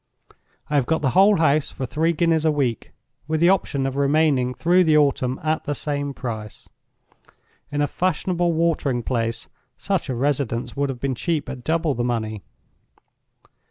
I have got the whole house for three guineas a week, with the option of remaining through the autumn at the same price. In a fashionable watering place, such a residence would have been cheap at double the money.